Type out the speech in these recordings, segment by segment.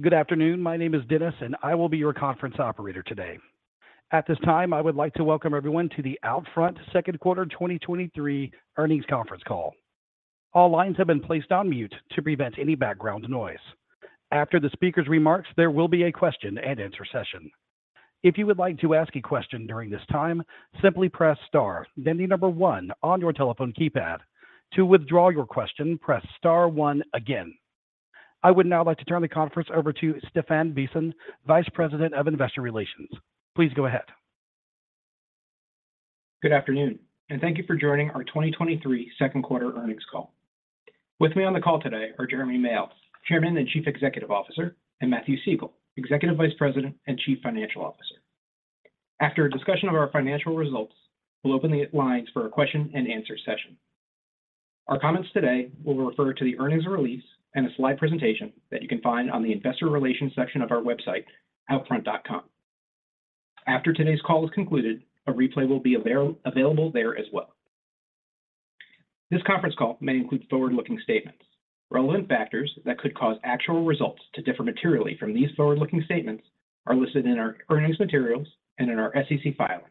Good afternoon. My name is Dennis, and I will be your conference operator today. At this time, I would like to welcome everyone to the OUTFRONT second quarter 2023 earnings conference call. All lines have been placed on mute to prevent any background noise. After the speaker's remarks, there will be a question-and-answer session. If you would like to ask a question during this time, simply press star, then one on your telephone keypad. To withdraw your question, press star one again. I would now like to turn the conference over to Stephan Bisson, Vice President, Investor Relations. Please go ahead. Good afternoon, and thank you for joining our 2023 second quarter earnings call. With me on the call today are Jeremy Male, Chairman and Chief Executive Officer; and Matthew Siegel, Executive Vice President and Chief Financial Officer. After a discussion of our financial results, we'll open the lines for a question-and-answer session. Our comments today will refer to the earnings release and a slide presentation that you can find on the investor relations section of our website, outfront.com. After today's call is concluded, a replay will be available there as well. This conference call may include forward-looking statements. Relevant factors that could cause actual results to differ materially from these forward-looking statements are listed in our earnings materials and in our SEC filings,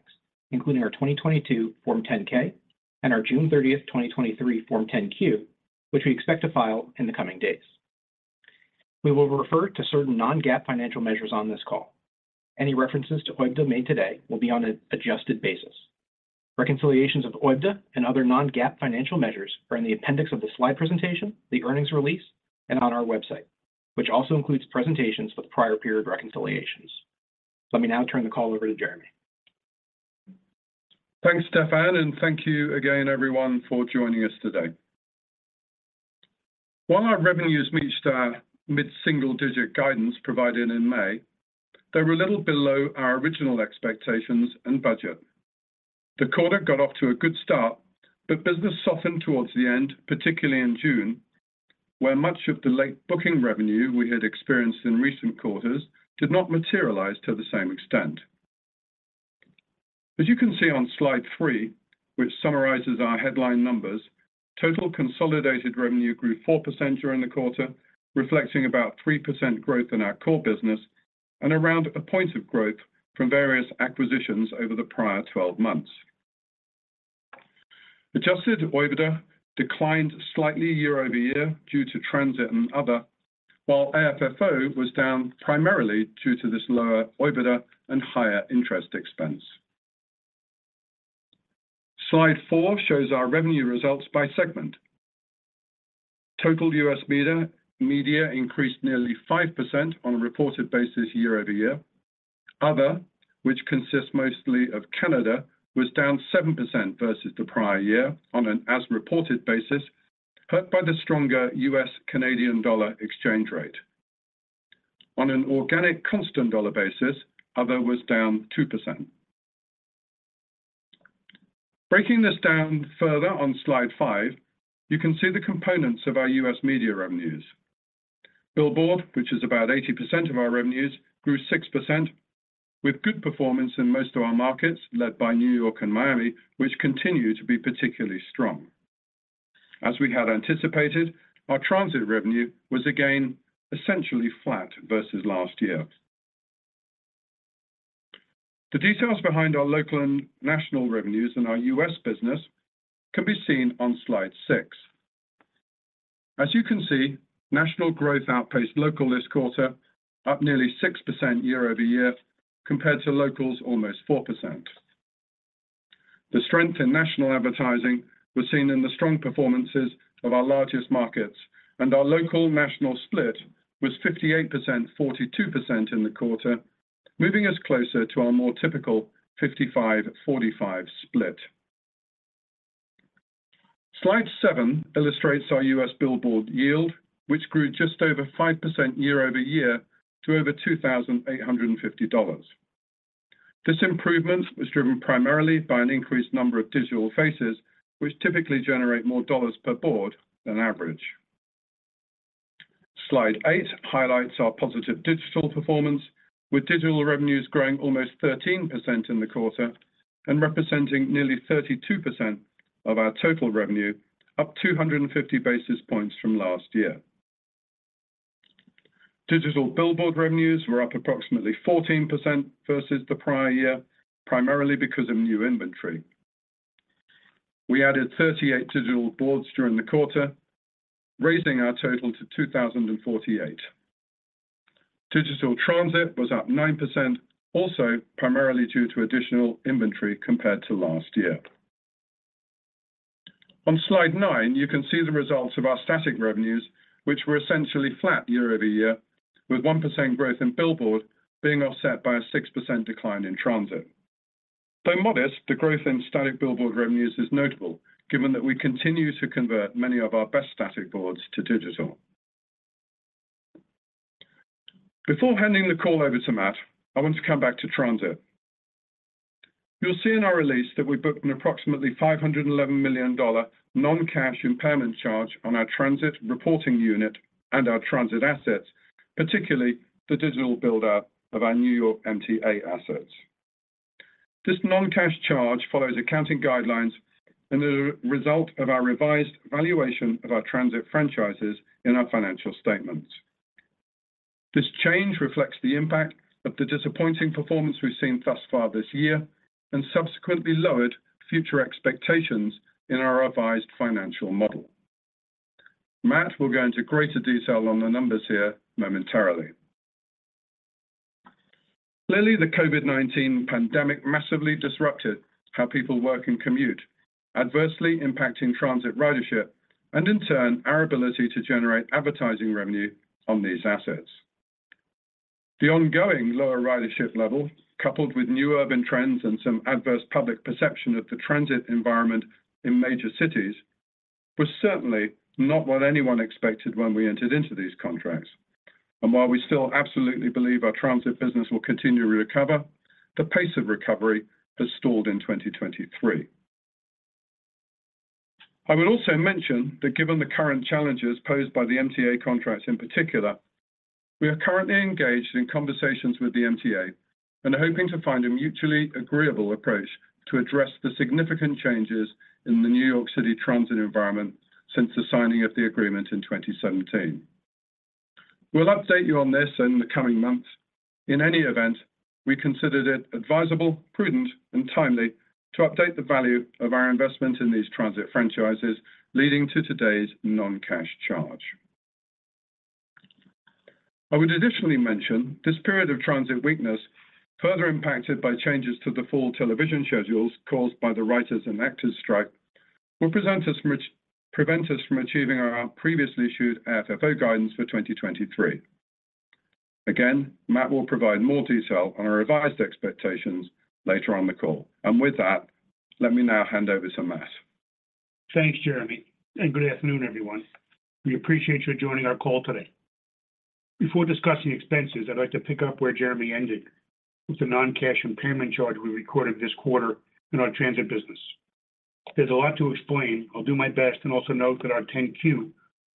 including our 2022 Form 10-K and our June 30th, 2023 Form 10-Q, which we expect to file in the coming days. We will refer to certain non-GAAP financial measures on this call. Any references to OIBDA made today will be on an adjusted basis. Reconciliations of OIBDA and other non-GAAP financial measures are in the appendix of the slide presentation, the earnings release, and on our website, which also includes presentations with prior period reconciliations. Let me now turn the call over to Jeremy. Thanks, Stephan. Thank you again, everyone, for joining us today. While our revenues reached our mid-single-digit guidance provided in May, they were a little below our original expectations and budget. The quarter got off to a good start, but business softened towards the end, particularly in June, where much of the late booking revenue we had experienced in recent quarters did not materialize to the same extent. As you can see on slide three, which summarizes our headline numbers, total consolidated revenue grew 4% during the quarter, reflecting about 3% growth in our core business and around 1 point of growth from various acquisitions over the prior 12 months. Adjusted OIBDA declined slightly year-over-year due to transit and other, while AFFO was down primarily due to this lower OIBDA and higher interest expense. Slide four shows our revenue results by segment. Total U.S. media, media increased nearly 5% on a reported basis year-over-year. Other, which consists mostly of Canada, was down 7% versus the prior year on an as reported basis, hurt by the stronger U.S. Canadian dollar exchange rate. On an organic constant dollar basis, other was down 2%. Breaking this down further on slide five, you can see the components of our U.S. media revenues. Billboard, which is about 80% of our revenues, grew 6%, with good performance in most of our markets, led by New York and Miami, which continue to be particularly strong. As we had anticipated, our transit revenue was again essentially flat versus last year. The details behind our local and national revenues in our U.S. business can be seen on slide six. As you can see, national growth outpaced local this quarter, up nearly 6% year-over-year, compared to locals, almost 4%. The strength in national advertising was seen in the strong performances of our largest markets, and our local national split was 58%, 42% in the quarter, moving us closer to our more typical 55, 45 split. Slide seven illustrates our U.S. billboard yield, which grew just over 5% year-over-year to over $2,850. This improvement was driven primarily by an increased number of digital faces, which typically generate more dollars per board than average. Slide eight highlights our positive digital performance, with digital revenues growing almost 13% in the quarter and representing nearly 32% of our total revenue, up 250 basis points from last year. Digital billboard revenues were up approximately 14% versus the prior year, primarily because of new inventory. We added 38 digital boards during the quarter, raising our total to 2,048. Digital transit was up 9%, also primarily due to additional inventory compared to last year. On slide nine, you can see the results of our static revenues, which were essentially flat year-over-year, with 1% growth in billboard being offset by a 6% decline in transit. Though modest, the growth in static billboard revenues is notable, given that we continue to convert many of our best static boards to digital. Before handing the call over to Matt, I want to come back to transit. You'll see in our release that we booked an approximately $511 million non-cash impairment charge on our transit reporting unit and our transit assets, particularly the digital buildout of our New York MTA assets. This non-cash charge follows accounting guidelines and is a result of our revised valuation of our transit franchises in our financial statements. This change reflects the impact of the disappointing performance we've seen thus far this year, and subsequently lowered future expectations in our revised financial model. Matt will go into greater detail on the numbers here momentarily. Clearly, the COVID-19 pandemic massively disrupted how people work and commute, adversely impacting transit ridership, and in turn, our ability to generate advertising revenue on these assets. The ongoing lower ridership level, coupled with new urban trends and some adverse public perception of the transit environment in major cities, was certainly not what anyone expected when we entered into these contracts. While we still absolutely believe our transit business will continue to recover, the pace of recovery has stalled in 2023. I would also mention that given the current challenges posed by the MTA contracts in particular, we are currently engaged in conversations with the MTA and are hoping to find a mutually agreeable approach to address the significant changes in the New York City transit environment since the signing of the agreement in 2017. We'll update you on this in the coming months. In any event, we considered it advisable, prudent, and timely to update the value of our investment in these transit franchises, leading to today's non-cash charge. I would additionally mention, this period of transit weakness, further impacted by changes to the fall television schedules caused by the writers and actors strike, will prevent us from achieving our previously issued FFO guidance for 2023. Again, Matt will provide more detail on our revised expectations later on the call. With that, let me now hand over to Matt. Thanks, Jeremy. Good afternoon, everyone. We appreciate you joining our call today. Before discussing expenses, I'd like to pick up where Jeremy ended, with the non-cash impairment charge we recorded this quarter in our transit business. There's a lot to explain. I'll do my best. Also note that our 10-Q,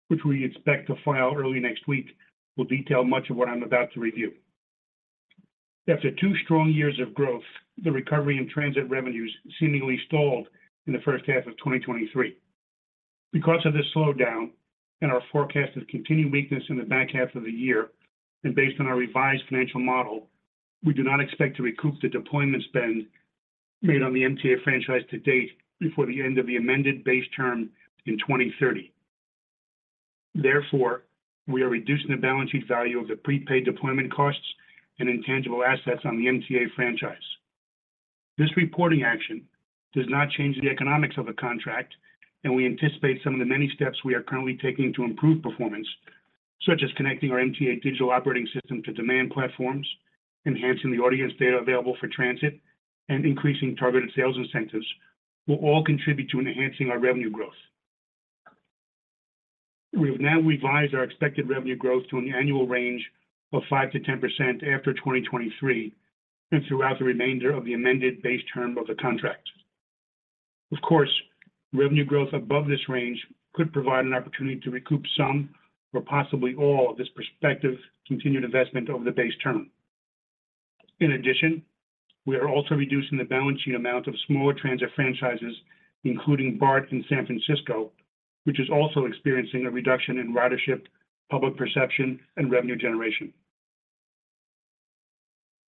which we expect to file early next week, will detail much of what I'm about to review. After two strong years of growth, the recovery in transit revenues seemingly stalled in the first half of 2023. Because of this slowdown and our forecast of continued weakness in the back half of the year, based on our revised financial model, we do not expect to recoup the deployment spend made on the MTA franchise to date before the end of the amended base term in 2030. Therefore, we are reducing the balance sheet value of the prepaid deployment costs and intangible assets on the MTA franchise. This reporting action does not change the economics of the contract, and we anticipate some of the many steps we are currently taking to improve performance, such as connecting our MTA digital operating system to demand platforms, enhancing the audience data available for transit, and increasing targeted sales incentives, will all contribute to enhancing our revenue growth. We've now revised our expected revenue growth to an annual range of 5% to 10% after 2023 and throughout the remainder of the amended base term of the contract. Of course, revenue growth above this range could provide an opportunity to recoup some or possibly all of this prospective continued investment over the base term. We are also reducing the balance sheet amount of smaller transit franchises, including BART in San Francisco, which is also experiencing a reduction in ridership, public perception, and revenue generation.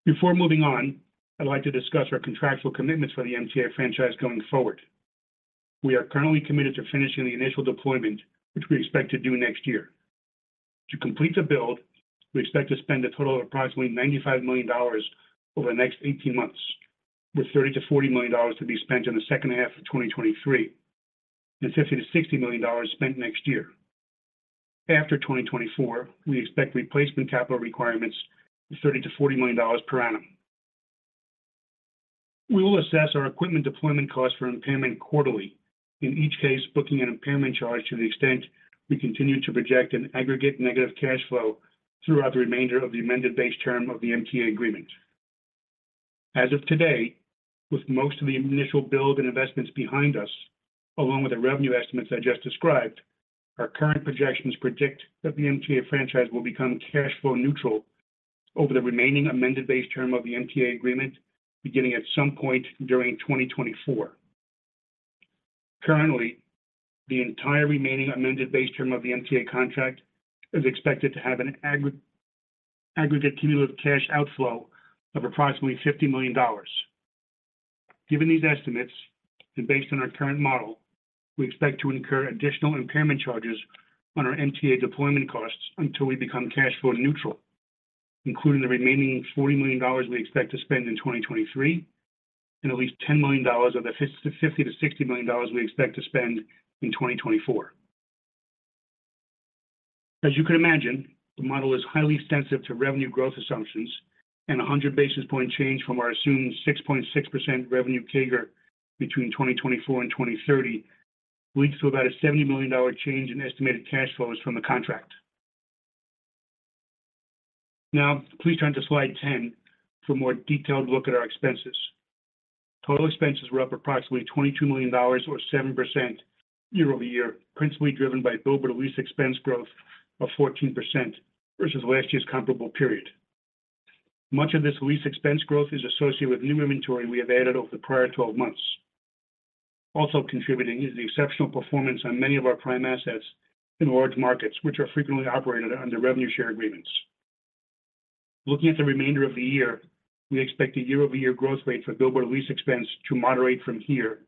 Before moving on, I'd like to discuss our contractual commitments for the MTA franchise going forward. We are currently committed to finishing the initial deployment, which we expect to do next year. To complete the build, we expect to spend a total of approximately $95 million over the next 18 months, with $30 million-$40 million to be spent in the second half of 2023, and $50 million-$60 million spent next year. After 2024, we expect replacement capital requirements of $30 million-$40 million per annum. We will assess our equipment deployment costs for impairment quarterly, in each case, booking an impairment charge to the extent we continue to project an aggregate negative cash flow throughout the remainder of the amended base term of the MTA agreement. As of today, with most of the initial build and investments behind us, along with the revenue estimates I just described, our current projections predict that the MTA franchise will become cash flow neutral over the remaining amended base term of the MTA agreement, beginning at some point during 2024. Currently, the entire remaining amended base term of the MTA contract is expected to have an aggregate cumulative cash outflow of approximately $50 million. Given these estimates, and based on our current model, we expect to incur additional impairment charges on our MTA deployment costs until we become cash flow neutral, including the remaining $40 million we expect to spend in 2023, and at least $10 million of the $50 million-$60 million we expect to spend in 2024. As you can imagine, the model is highly sensitive to revenue growth assumptions, and a 100 basis point change from our assumed 6.6% revenue CAGR between 2024 and 2030 leads to about a $70 million change in estimated cash flows from the contract. Please turn to slide 10 for a more detailed look at our expenses. Total expenses were up approximately $22 million or 7% year-over-year, principally driven by billboard lease expense growth of 14% versus last year's comparable period. Much of this lease expense growth is associated with new inventory we have added over the prior 12 months. Also contributing is the exceptional performance on many of our prime assets in large markets, which are frequently operated under revenue share agreements. Looking at the remainder of the year, we expect a year-over-year growth rate for billboard lease expense to moderate from here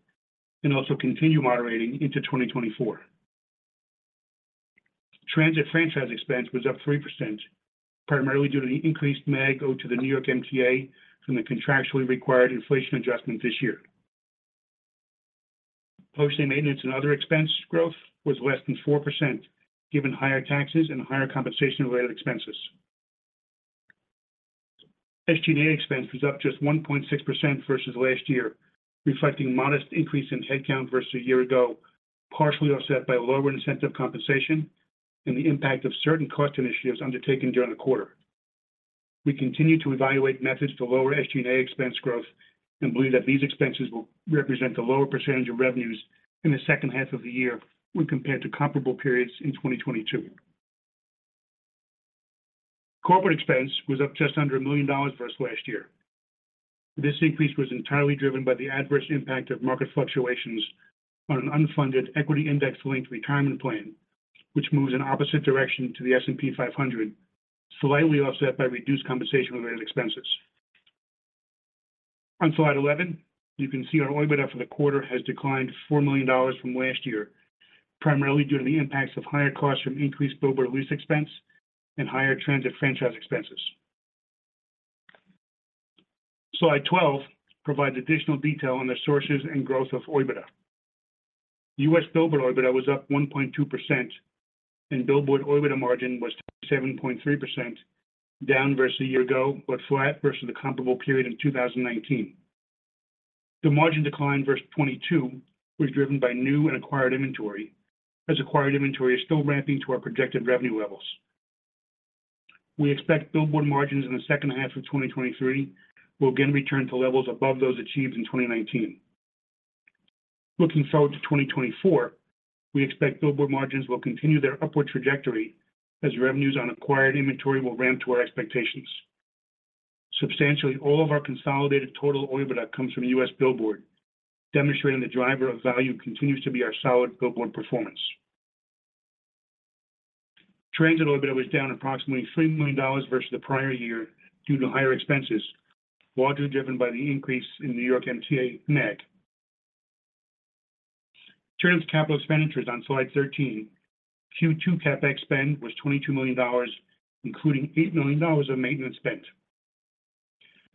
and also continue moderating into 2024. Transit franchise expense was up 3%, primarily due to the increased MAG owed to the New York MTA from the contractually required inflation adjustment this year. Posting maintenance and other expense growth was less than 4%, given higher taxes and higher compensation-related expenses. SG&A expense was up just 1.6% versus last year, reflecting modest increase in headcount versus a year ago, partially offset by lower incentive compensation and the impact of certain cost initiatives undertaken during the quarter. We continue to evaluate methods to lower SG&A expense growth and believe that these expenses will represent a lower percentage of revenues in the second half of the year when compared to comparable periods in 2022. Corporate expense was up just under $1 million versus last year. This increase was entirely driven by the adverse impact of market fluctuations on an unfunded equity index-linked retirement plan, which moves in opposite direction to the S&P 500, slightly offset by reduced compensation-related expenses. On slide 11, you can see our OIBDA for the quarter has declined $4 million from last year, primarily due to the impacts of higher costs from increased billboard lease expense and higher transit franchise expenses. Slide 12 provides additional detail on the sources and growth of OIBDA. U.S. billboard OIBDA was up 1.2%, and billboard OIBDA margin was 7.3%, down versus a year ago, but flat versus the comparable period of 2019. The margin decline versus 2022 was driven by new and acquired inventory, as acquired inventory is still ramping to our projected revenue levels. We expect billboard margins in the second half of 2023 will again return to levels above those achieved in 2019. Looking forward to 2024, we expect billboard margins will continue their upward trajectory as revenues on acquired inventory will ramp to our expectations. Substantially, all of our consolidated total OIBDA comes from U.S. billboard, demonstrating the driver of value continues to be our solid billboard performance. Transit OIBDA was down approximately $3 million versus the prior year due to higher expenses, largely driven by the increase in New York MTA MAG. Turning to capital expenditures on slide 13, Q2 CapEx spend was $22 million, including $8 million of maintenance spent.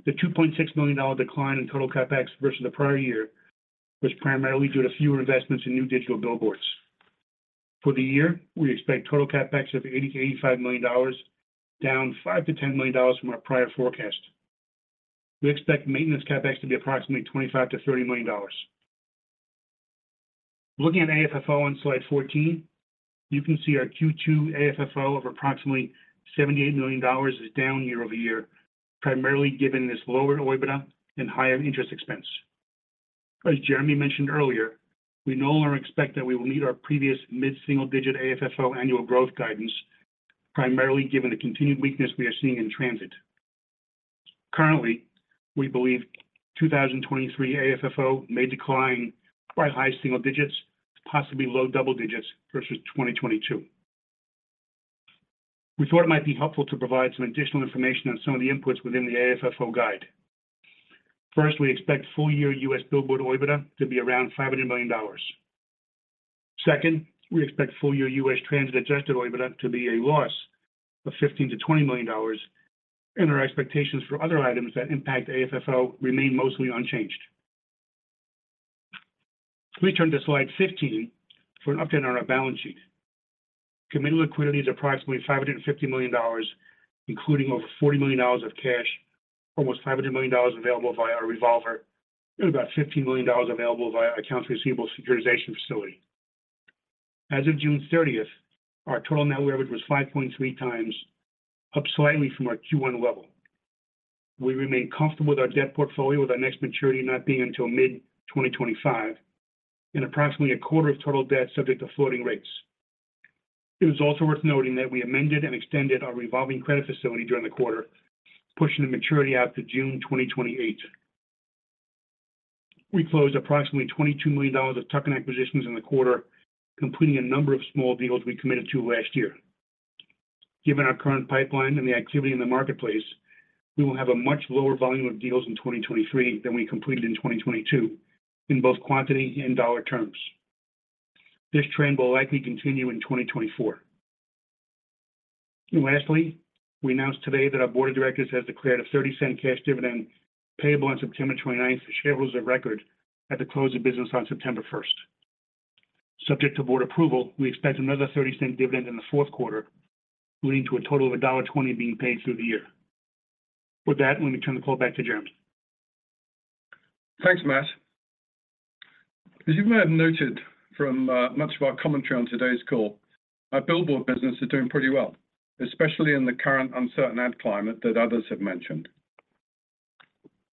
The $2.6 million decline in total CapEx versus the prior year was primarily due to fewer investments in new digital billboards. For the year, we expect total CapEx of $80 million-$85 million, down $5 million-$10 million from our prior forecast. We expect maintenance CapEx to be approximately $25 million-$30 million. Looking at AFFO on slide 14, you can see our Q2 AFFO of approximately $78 million is down year-over-year, primarily given this lower OIBDA and higher interest expense. As Jeremy mentioned earlier, we no longer expect that we will meet our previous mid-single-digit AFFO annual growth guidance, primarily given the continued weakness we are seeing in transit. Currently, we believe 2023 AFFO may decline by high single digits, possibly low double digits versus 2022. We thought it might be helpful to provide some additional information on some of the inputs within the AFFO guide. First, we expect full year U.S. billboard OIBDA to be around $500 million. Second, we expect full year U.S. transit adjusted OIBDA to be a loss of $15 million-$20 million. Our expectations for other items that impact AFFO remain mostly unchanged. We turn to slide 15 for an update on our balance sheet. Committed liquidity is approximately $550 million, including over $40 million of cash, almost $500 million available via our revolver, and about $15 million available via accounts receivable securitization facility. As of June 30th, our total net leverage was 5.3x, up slightly from our Q1 level. We remain comfortable with our debt portfolio, with our next maturity not being until mid-2025, and approximately 25% of total debt subject to floating rates. It is also worth noting that we amended and extended our revolving credit facility during the quarter, pushing the maturity out to June 2028. We closed approximately $22 million of tuck-in acquisitions in the quarter, completing a number of small deals we committed to last year. Given our current pipeline and the activity in the marketplace, we will have a much lower volume of deals in 2023 than we completed in 2022, in both quantity and dollar terms. This trend will likely continue in 2024. Lastly, we announced today that our board of directors has declared a $0.30 cash dividend payable on September 29th to shareholders of record at the close of business on September 1st. Subject to board approval, we expect another $0.30 dividend in the fourth quarter, leading to a total of $1.20 being paid through the year. With that, let me turn the call back to Jeremy. Thanks, Matt. As you may have noted from, much of our commentary on today's call, our billboard business is doing pretty well, especially in the current uncertain ad climate that others have mentioned.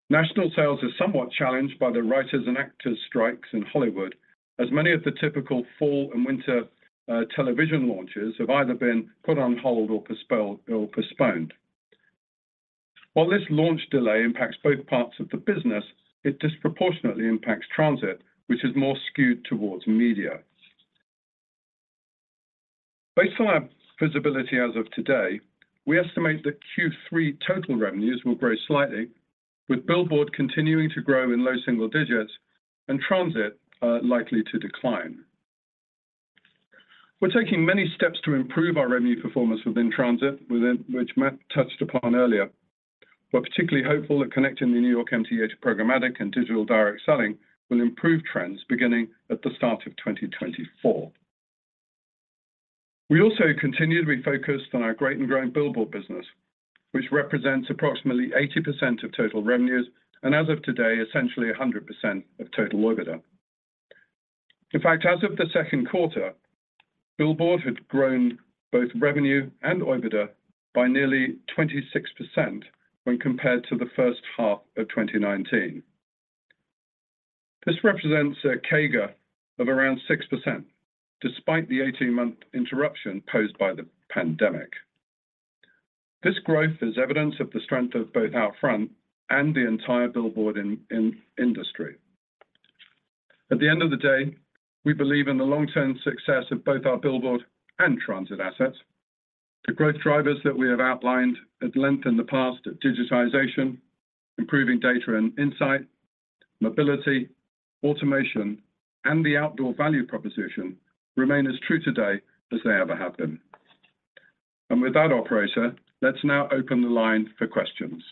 National sales is somewhat challenged by the writers and actors strikes in Hollywood, as many of the typical fall and winter television launches have either been put on hold or postponed. While this launch delay impacts both parts of the business, it disproportionately impacts transit, which is more skewed towards media. Based on our visibility as of today, we estimate that Q3 total revenues will grow slightly, with billboard continuing to grow in low single digits and transit likely to decline. We're taking many steps to improve our revenue performance within transit, within which Matt touched upon earlier. We're particularly hopeful that connecting the New York MTA to programmatic and digital direct selling will improve trends beginning at the start of 2024. We also continue to be focused on our great and growing billboard business, which represents approximately 80% of total revenues. As of today, essentially 100% of total OIBDA. In fact, as of the second quarter, billboard had grown both revenue and OIBDA by nearly 26% when compared to the first half of 2019. This represents a CAGR of around 6%, despite the 18-month interruption posed by the pandemic. This growth is evidence of the strength of both OUTFRONT and the entire billboard in industry. At the end of the day, we believe in the long-term success of both our billboard and transit assets. The growth drivers that we have outlined at length in the past of digitization, improving data and insight, mobility, automation, and the outdoor value proposition remain as true today as they ever have been. With that, operator, let's now open the line for questions.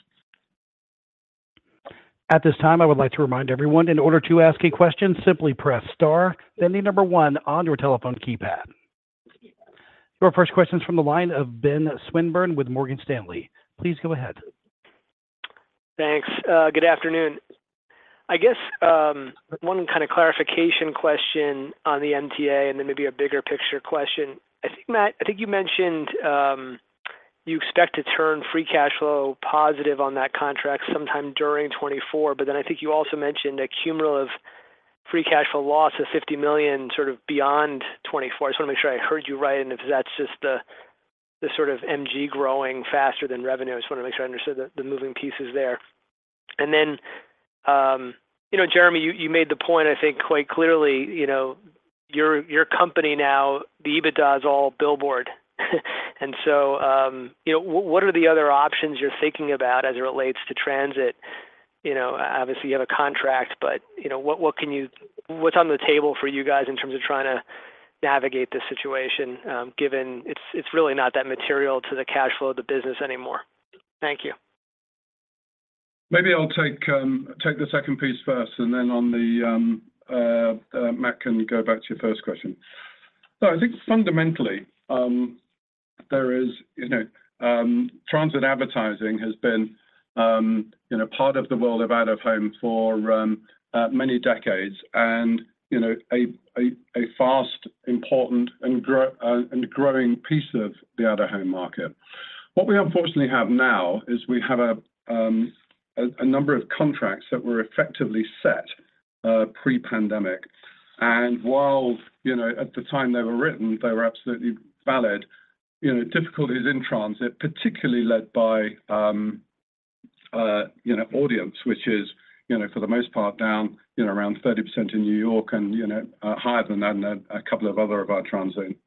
At this time, I would like to remind everyone, in order to ask a question, simply press star, then the one on your telephone keypad. Your first question is from the line of Ben Swinburne with Morgan Stanley. Please go ahead. Thanks. Good afternoon. I guess, one kind of clarification question on the MTA and then maybe a bigger picture question. I think, Matthew Siegel, I think you mentioned, you expect to turn free cash flow positive on that contract sometime during 2024, but then I think you also mentioned a cumulative free cash flow loss of $50 million, sort of beyond 2024. I just wanna make sure I heard you right, and if that's just the, the sort of MG growing faster than revenue. I just wanna make sure I understood the, the moving pieces there. You know, Jeremy Male, you, you made the point, I think, quite clearly, you know, your, your company now, the EBITDA is all billboard. You know, what are the other options you're thinking about as it relates to transit? You know, obviously, you have a contract, but, you know, what, What's on the table for you guys in terms of trying to navigate this situation, given it's, it's really not that material to the cash flow of the business anymore? Thank you. Maybe I'll take, take the second piece first, and then on the, Matt, can go back to your first question. I think fundamentally, there is, you know, transit advertising has been, you know, part of the world of out of home for many decades and, you know, a, a, a fast, important, and grow, and growing piece of the out of home market. What we unfortunately have now is we have a, a number of contracts that were effectively set, pre-pandemic. While, you know, at the time they were written, they were absolutely valid, you know, difficulties in transit, particularly led by, you know, audience, which is, you know, for the most part down, you know, around 30% in New York and, you know, higher than that in a couple of other of our transit,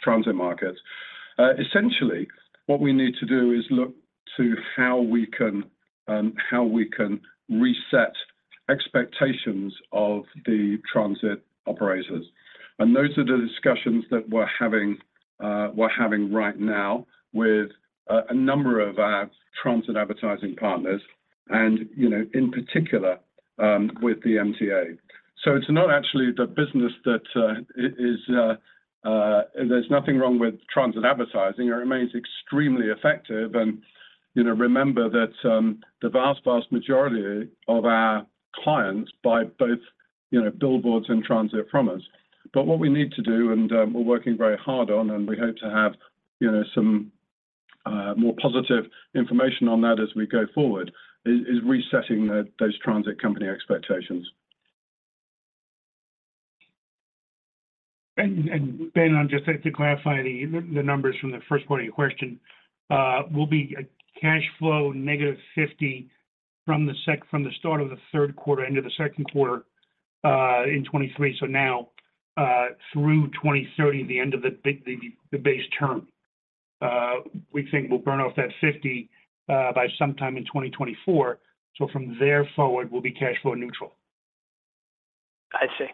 transit markets. Essentially, what we need to do is look to how we can, how we can reset expectations of the transit operators. Those are the discussions that we're having, we're having right now with a, a number of our transit advertising partners and, you know, in particular, with the MTA. It's not actually the business that is, there's nothing wrong with transit advertising. It remains extremely effective and, you know, remember that, the vast, vast majority of our clients buy both, you know, billboards and transit from us. What we need to do, and we're working very hard on, and we hope to have, you know, some more positive information on that as we go forward, is resetting those transit company expectations. Ben, just to clarify the, the numbers from the first part of your question, will be a cash flow negative $50 from the start of the third quarter into the second quarter, in 2023. Now, through 2030, the end of the big, the, the base term. We think we'll burn off that $50 by sometime in 2024. From there forward, we'll be cash flow neutral. I see.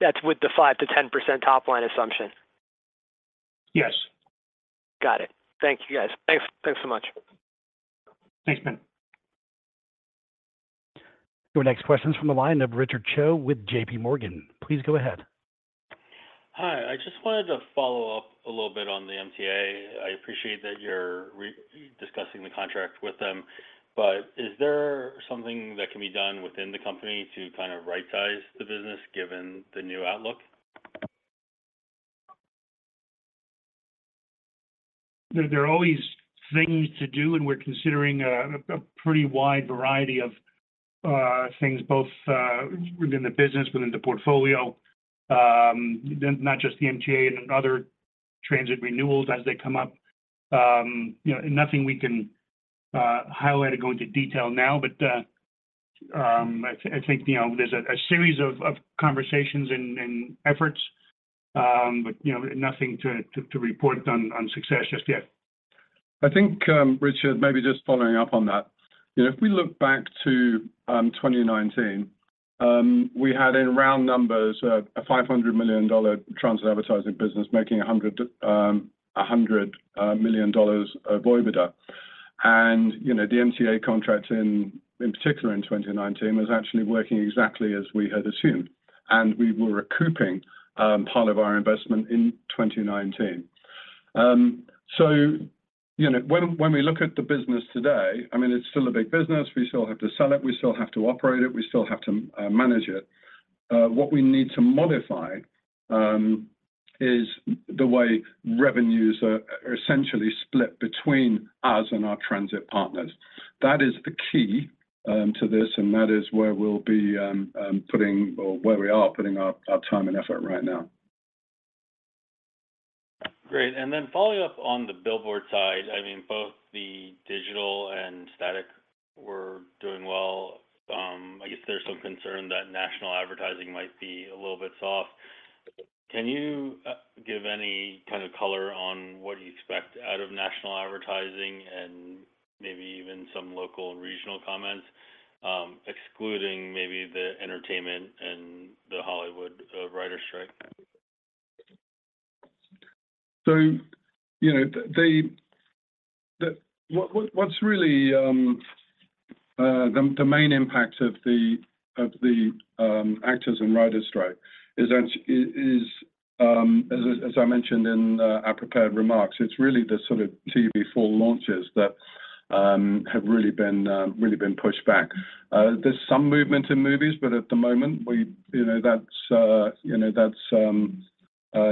That's with the 5%-10% top-line assumption? Yes. Got it. Thank you, guys. Thanks. Thanks so much. Thanks, Ben. Your next question is from the line of Richard Choe with JPMorgan. Please go ahead. Hi, I just wanted to follow up a little bit on the MTA. I appreciate that you're discussing the contract with them, but is there something that can be done within the company to kind of rightsize the business, given the new outlook? There, there are always things to do, and we're considering a pretty wide variety of things, both within the business, within the portfolio. Not just the MTA and other transit renewals as they come up. You know, nothing we can highlight or go into detail now, but I think, you know, there's a series of conversations and efforts, but, you know, nothing to report on success just yet. I think, Richard, maybe just following up on that. You know, if we look back to 2019, we had in round numbers, a $500 million transit advertising business making $100 million of OIBDA. You know, the MTA contract in particular in 2019, was actually working exactly as we had assumed, and we were recouping part of our investment in 2019. You know, when we look at the business today, I mean, it's still a big business. We still have to sell it, we still have to operate it, we still have to manage it. What we need to modify is the way revenues are essentially split between us and our transit partners. That is the key, to this, and that is where we'll be, putting or where we are putting our, our time and effort right now. Great. Then following up on the billboard side, I mean, both the digital and static were doing well. I guess there's some concern that national advertising might be a little bit soft. Can you give any kind of color on what you expect out of national advertising and maybe even some local and regional comments, excluding maybe the entertainment and the Hollywood writers' strike? You know, What's really the main impact of the actors and writers strike is is, as I mentioned in our prepared remarks, it's really the sort of TV fall launches that have really been pushed back. There's some movement in movies, but at the moment, we, you know, that's, you know,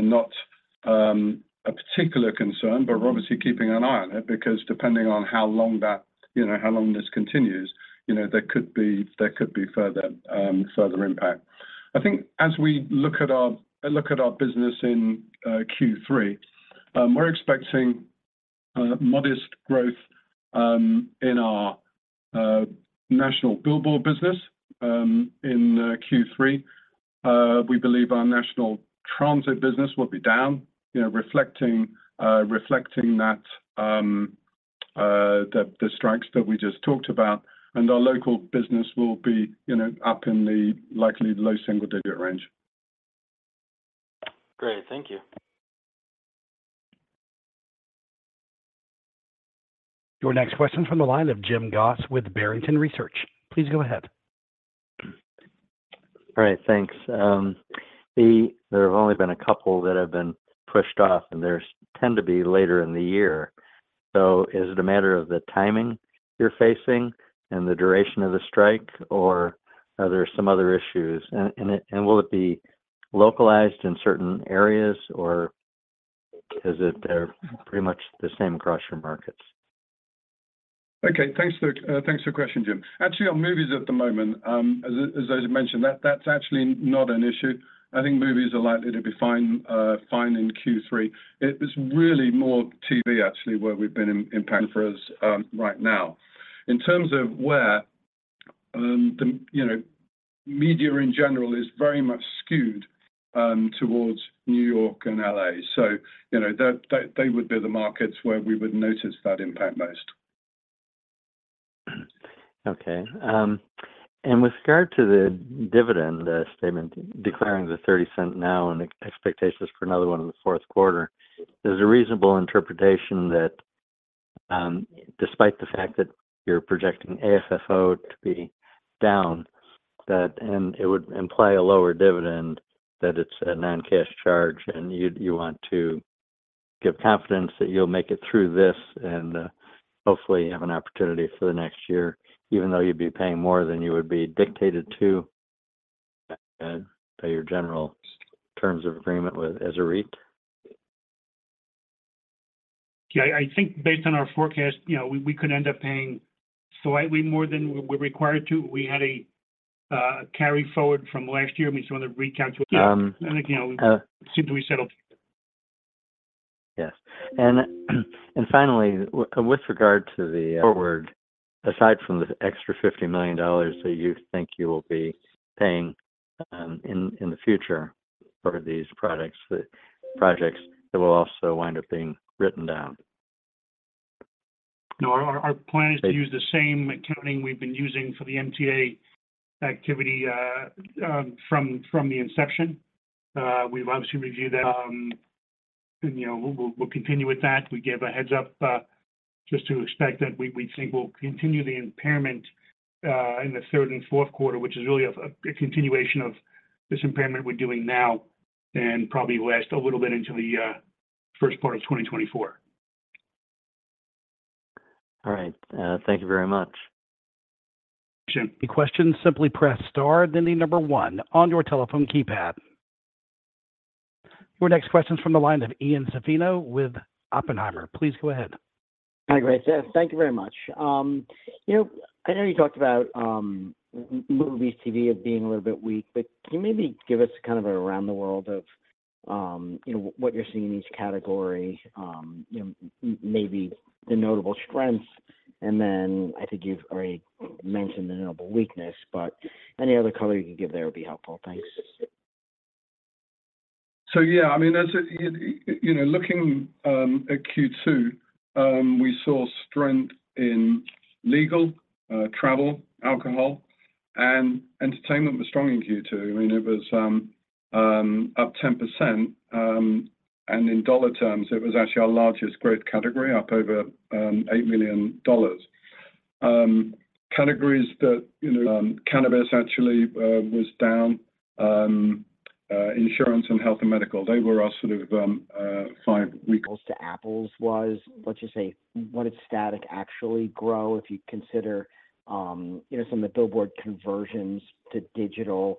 not a particular concern, but we're obviously keeping an eye on it, because depending on how long that, you know, how long this continues, you know, there could be further impact. I think as we look at our business in Q3, we're expecting modest growth in our national billboard business. In Q3, we believe our national transit business will be down, you know, reflecting, reflecting that, the, the strikes that we just talked about, and our local business will be, you know, up in the, likely low single digit range. Great. Thank you. Your next question from the line of James Goss with Barrington Research. Please go ahead. All right, thanks. the there have only been a couple that have been pushed off, and there's tend to be later in the year. Is it a matter of the timing you're facing and the duration of the strike, or are there some other issues? And it, and will it be localized in certain areas, or is it they're pretty much the same across your markets? Okay. Thanks for, thanks for the question, James. Actually, on movies at the moment, as I, as I mentioned, that's actually not an issue. I think movies are likely to be fine, fine in Q3. It is really more TV, actually, where we've been impacting for us, right now. In terms of where, the, you know, media in general is very much skewed, towards New York and L.A. You know, they would be the markets where we would notice that impact most. Okay. With regard to the dividend, the statement declaring the $0.30 now and expectations for another one in the fourth quarter, there's a reasonable interpretation that, despite the fact that you're projecting AFFO to be down, that, and it would imply a lower dividend, that it's a non-cash charge, and you'd want to give confidence that you'll make it through this and, hopefully have an opportunity for the next year, even though you'd be paying more than you would be dictated to, by, by your general terms of agreement with as a REIT? Yeah, I think based on our forecast, you know, we could end up paying slightly more than we're required to. We had a carry forward from last year. We just want to recount to it. You know, seem to be settled. Yes. Finally, with regard to the forward, aside from the extra $50 million that you think you will be paying, in, in the future for these products, the projects that will also wind up being written down? No, our, our plan is to use the same accounting we've been using for the MTA activity from, from the inception. We've obviously reviewed that, and, you know, we'll, we'll continue with that. We gave a heads up just to expect that we, we think we'll continue the impairment in the third and fourth quarter, which is really a continuation of this impairment we're doing now and probably last a little bit into the first part of 2024. All right, thank you very much. Sure. Simply press star, then one on your telephone keypad. Your next question is from the line of Ian Zaffino with Oppenheimer. Please go ahead. Hi, great. Yes, thank you very much. You know, I know you talked about movies, TV as being a little bit weak. Can you maybe give us kind of a around the world of what you're seeing in each category, you know, maybe the notable strengths, and then I think you've already mentioned the notable weakness, but any other color you can give there would be helpful. Thanks. Yeah, I mean, as, you know, looking at Q2, we saw strength in legal, travel, alcohol, and entertainment was strong in Q2. I mean, it was up 10%, and in dollar terms, it was actually our largest growth category, up over $8 million. Categories that, you know, cannabis actually was down, insurance and health and medical. They were our sort of five weakest- Apples to apples was, let's just say, what did static actually grow, if you consider, you know, some of the billboard conversions to digital,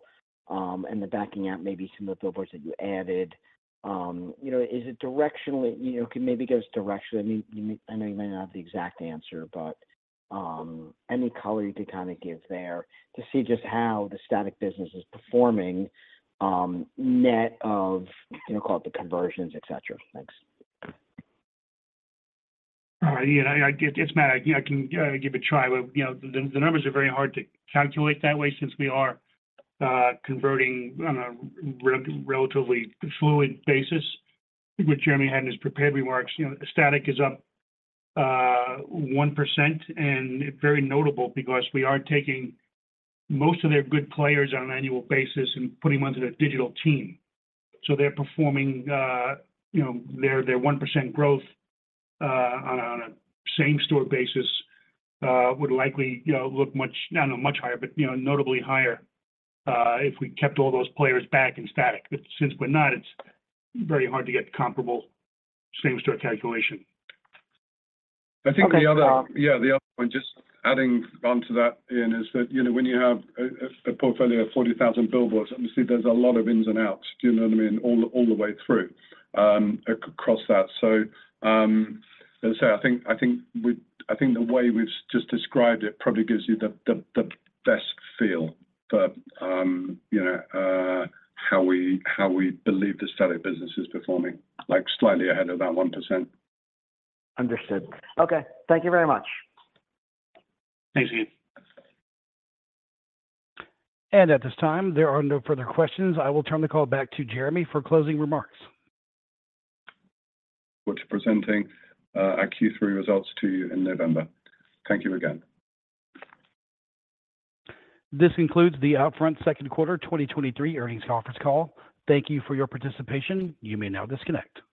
and the backing out, maybe some of the billboards that you added. You know, is it directionally, you know, can maybe give us directionally, I mean, you, I know you might not have the exact answer, but, any color you could kind of give there to see just how the static business is performing, net of, you know, call it the conversions, et cetera. Thanks. All right, Ian, I, I get, it's Matt. I, I can give it a try, but, you know, the, the numbers are very hard to calculate that way since we are converting on a re- relatively fluid basis. I think what Jeremy had in his prepared remarks, you know, static is up, 1%. Very notable because we are taking most of their good players on an annual basis and putting them onto the digital team. They're performing, you know, their, their 1% growth, on a, on a same-store basis, would likely, you know, look much, I don't know, much higher, but, you know, notably higher, if we kept all those players back in static. Since we're not, it's very hard to get comparable same-store calculation. Okay. I think the other. Yeah, the other point, just adding on to that, Ian, is that, you know, when you have a portfolio of 40,000 billboards, obviously there's a lot of ins and outs, do you know what I mean? All the way through across that. As I say, I think the way we've just described it probably gives you the best feel for, you know, how we believe the static business is performing, like, slightly ahead of that 1%. Understood. Okay. Thank you very much. Thanks, Ian. At this time, there are no further questions. I will turn the call back to Jeremy for closing remarks. We're presenting, our Q3 results to you in November. Thank you again. This concludes the OUTFRONT second quarter earnings conference call. Thank you for your participation. You may now disconnect.